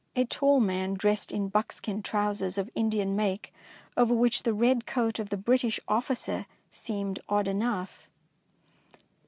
"^1 »•< I, t ■^ DICEY LANGSTON a tall man dressed in buckskin trousers of Indian make, over which the red coat of the British officer seemed odd enough.